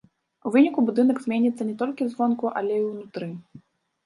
У выніку будынак зменіцца не толькі звонку, але і ўнутры.